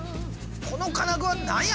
この金具は何や？